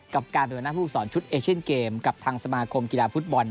กับการเป็นหัวหน้าผู้สอนชุดเอเชียนเกมกับทางสมาคมกีฬาฟุตบอล